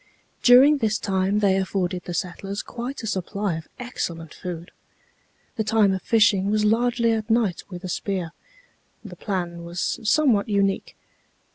During this time they afforded the settlers quite a supply of excellent food. The time of fishing was largely at night with a spear. The plan was somewhat unique.